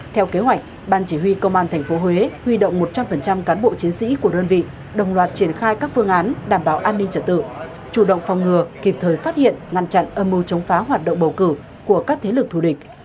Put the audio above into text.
tuy công an tp huế huy động một trăm linh cán bộ chiến sĩ của đơn vị đồng loạt triển khai các phương án đảm bảo an ninh trật tự chủ động phòng ngừa kịp thời phát hiện ngăn chặn âm mưu chống phá hoạt động bầu cử của các thế lực thù địch